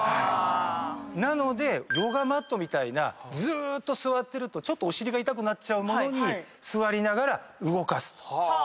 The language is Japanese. なのでヨガマットみたいなずーっと座ってるとちょっとお尻が痛くなっちゃうものに座りながら動かすと。